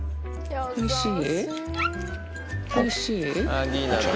おいしい？